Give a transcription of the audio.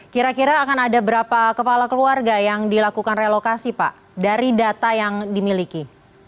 kira kira akan ada berapa kepala keluarga yang dilakukan relokasi pak dari data yang dimiliki